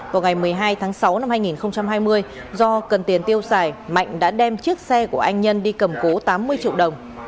vào ngày một mươi hai tháng sáu năm hai nghìn hai mươi do cần tiền tiêu xài mạnh đã đem chiếc xe của anh nhân đi cầm cố tám mươi triệu đồng